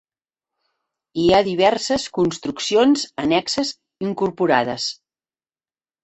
Hi ha diverses construccions annexes incorporades.